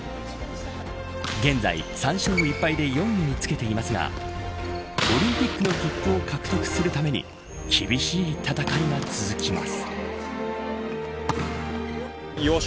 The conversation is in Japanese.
現在、３勝１敗で４位につけていますがオリンピックの切符を獲得するために厳しい戦いが続きます。